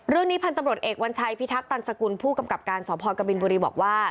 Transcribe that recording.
พันธุ์ตำรวจเอกวัญชัยพิทักตันสกุลผู้กำกับการสพกบินบุรีบอกว่า